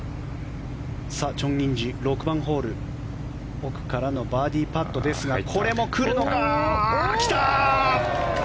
チョン・インジ、６番ホール奥からのバーディーパットですがこれも来るか、来たー！